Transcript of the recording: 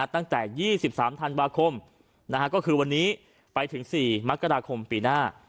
ตั้งแต่ยี่สิบสามทรัลมาคมนะฮะก็คือวันนี้ไปถึงสี่มักระดาคมปีหน้า